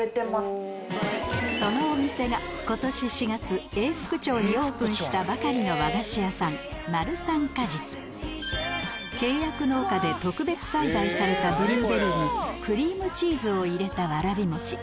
そのお店が今年４月永福町にオープンしたばかりの和菓子屋さん契約農家で特別栽培されたブルーベリーにクリームチーズを入れたわらび餅